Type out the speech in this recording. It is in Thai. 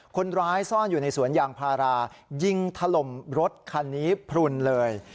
คนร้ายซ่อนอยู่ในสวนยางพารายิงถล่มรถคันนี้พลุนเลย